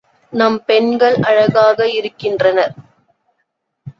நம் பெண்கள் அழகாக இருக்கின்றனர்.